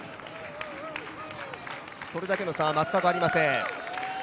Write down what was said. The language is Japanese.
それだけの差は全くありません。